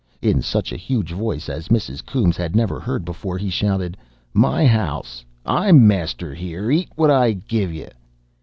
In such a huge voice as Mrs. Coombes had never heard before, he shouted, "My house. I'm master 'ere. Eat what I give yer!"